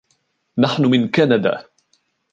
نحن من كندا.